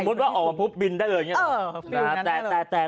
สมมุติว่าออกมาปุ๊บบินได้เลยอย่างนี้